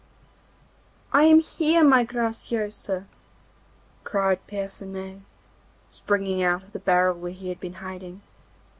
'I am here, my Graciosa,' cried Percinet, springing out of the barrel where he had been hiding.